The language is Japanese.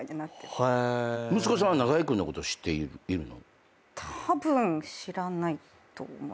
息子さんは中居君のこと知っているの？